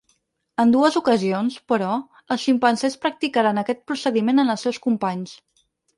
En dues ocasions, però, els ximpanzés practicaren aquest procediment en els seus companys.